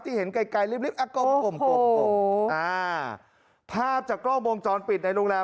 ที่เห็นไกลไกลลิบลิบอ้าโกมโกมโกมอ่าภาพจากกล้องวงจรปิดในโรงแรม